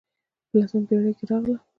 په لسمه پېړۍ کې راغلل.